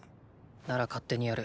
なら勝手にやる。